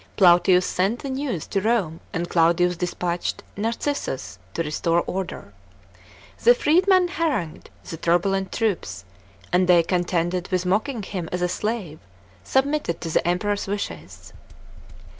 Plautius sent the news to Rome and Claudius dispatched Narcissus to restore order. The freedman harangued the turbulent troops, and they, con tented with mocking him as a slave, submitted to the Emperor's wishes.